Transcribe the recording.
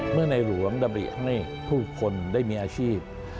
ในหลวงดำริให้ผู้คนได้มีอาชีพ